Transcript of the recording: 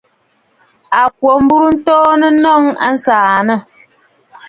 À kwǒ mburə ntoonə nnɔŋ, a tsyânə̀!